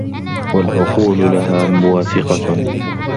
وَالْعُقُولُ لَهَا مُوَافِقَةٌ